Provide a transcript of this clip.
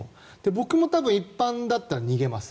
僕も多分一般だったら逃げます。